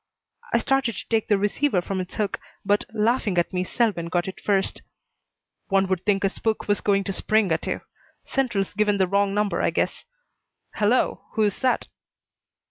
I started to take the receiver from its hook, but, laughing at me, Selwyn got it first. "One would think a spook was going to spring at you. Central's given the wrong number, I guess. Hello! Who is that?"